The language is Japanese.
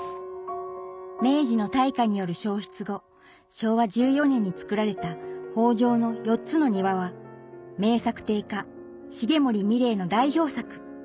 明治の大火による焼失後昭和１４年に造られた方丈の４つの庭は名作庭家重森三玲の代表作